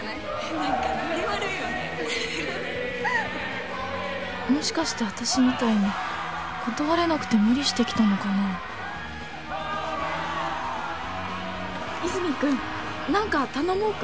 何かノリ悪いよねもしかして私みたいに断れなくて無理して来たのかな和泉君何か頼もうか？